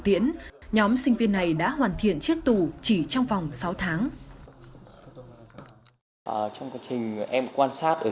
tiễn nhóm sinh viên này đã hoàn thiện chiếc tủ chỉ trong vòng sáu tháng trong quá trình em quan sát